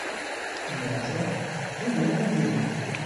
Може, то його діло!